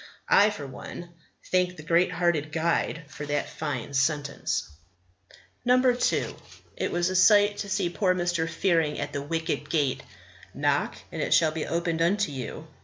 I, for one, thank the great hearted guide for that fine sentence. 2. It was a sight to see poor Mr. Fearing at the wicket gate. "Knock, and it shall be opened unto you."